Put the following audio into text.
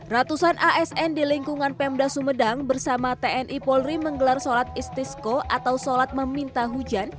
ratusan asn di lingkungan pemda sumedang bersama tni polri menggelar sholat istisko atau sholat meminta hujan